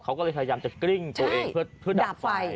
เขาก็เลยพยายามจะกริ้งตัวเองเพื่อดับไฟ